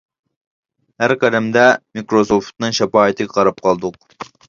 ھەر قەدەمدە مىكروسوفتنىڭ شاپائىتىگە قاراپ قالدۇق.